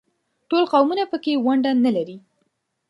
ټول قومونه په کې ونډه نه لري.